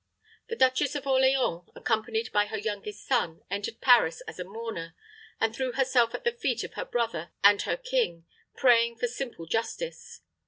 The Duchess of Orleans, accompanied by her youngest son, entered Paris as a mourner, and threw herself at the feet of her brother and her king, praying for simple justice.